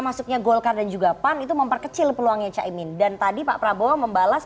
masuknya golkar dan juga pan itu memperkecil peluangnya caimin dan tadi pak prabowo membalas